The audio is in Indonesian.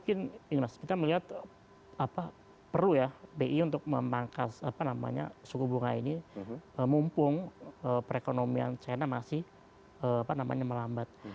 kita melihat perlu bi untuk memangkas suku bunga ini mumpung perekonomian china masih melambat